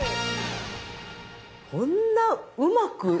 こんなうまく。